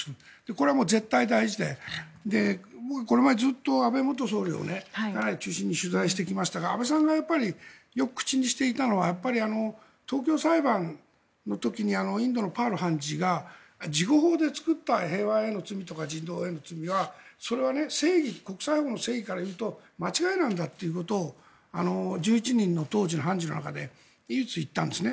これは絶対大事でこれまで、ずっと安倍元総理をかなり中心に取材していましたが安倍さんがよく口にしていたのは東京裁判の時にインドのパール判事が事後法で作った平和への罪とか人道への罪はそれは国際法の正義から言うと間違いなんだっていうことを１１人の当時の判事の中で唯一言ったんですね。